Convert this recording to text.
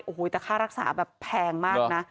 โอ้โหแต่ค่ารักษาแบบแพงมากนะ